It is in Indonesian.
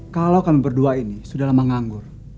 kalau kami berdua ini sudah lama nganggur